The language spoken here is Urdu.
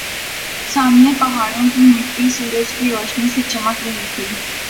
سامنے پہاڑوں کی مٹی سورج کی روشنی سے چمک رہی تھی